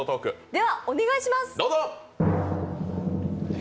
ではお願いします。